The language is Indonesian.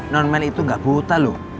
non mel itu gak buta loh